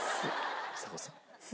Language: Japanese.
ちさ子さん。